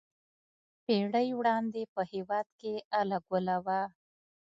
پېړۍ وړاندې په هېواد کې اله ګوله وه.